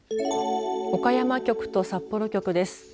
岡山局と札幌局です。